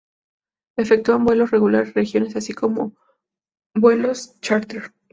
Efectuaba vuelos regulares regionales así como vuelos chárter.